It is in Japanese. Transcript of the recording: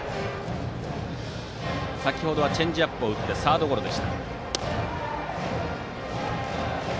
先程はチェンジアップを打ってサードゴロでした。